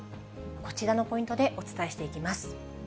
こちらのポイントでお伝えしていきます。